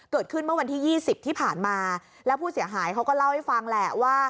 เกิดขึ้นเมื่อวันที่ยี่สิบที่ผ่านมาแล้วผู้เสียหายเขาก็เล่าให้ฟังแหละว่า